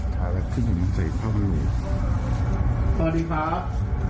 สวัสดีครับ